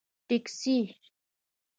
🚖 ټکسي